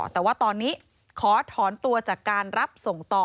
แต่ว่าตอนนี้ขอถอนตัวจากการรับส่งต่อ